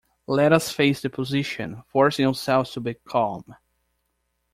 Let us face the position, forcing ourselves to be calm.